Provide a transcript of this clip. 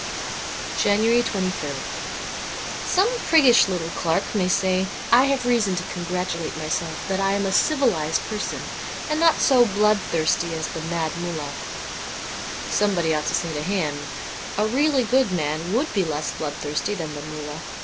'' 23 JANUARY 23rd SOME priggish little clerk will say, * I have reason to congratulate myself that I am a civilized person, and not so bloodthirsty as the Mad Mullah.' Somebody ought to say to him, * A really good man would be less bloodthirsty than the Mullah.